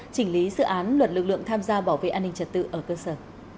chỉnh lý dự án luật lực lượng tham gia bảo vệ an ninh trật tự ở cơ sở